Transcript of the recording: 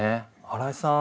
荒井さん